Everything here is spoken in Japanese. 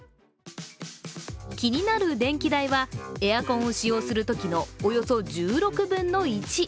気になる電気代は、エアコンを使用するときのおよそ１６分の１。